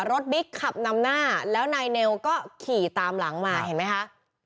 บิ๊กขับนำหน้าแล้วนายเนวก็ขี่ตามหลังมาเห็นไหมคะ